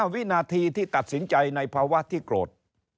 วินาทีที่ตัดสินใจในภาวะที่โกรธ